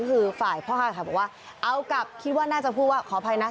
คือฝ่ายพ่อค้าขายบอกว่าเอากลับคิดว่าน่าจะพูดว่าขออภัยนะ